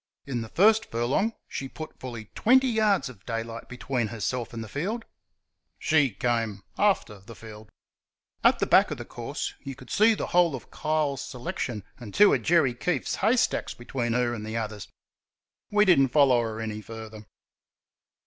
In the first furlong she put fully twenty yards of daylight between herself and the field she came after the field. At the back of the course you could see the whole of Kyle's selection and two of Jerry Keefe's hay stacks between her and the others. We did n't follow her any further.